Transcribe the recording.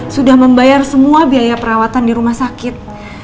sudah membayar semua biaya perawatan di rumah sakit